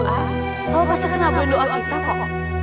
kalau pas tersenang boleh doa kita kok